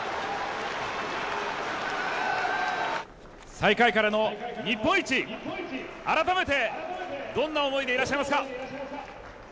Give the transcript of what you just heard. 最下位からの日本一改めて、どんな思いでいらっしゃいますか？